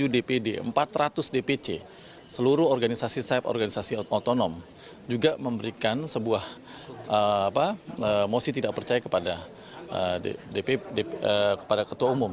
tujuh dpd empat ratus dpc seluruh organisasi sayap organisasi otonom juga memberikan sebuah mosi tidak percaya kepada ketua umum